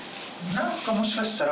何かもしかしたら。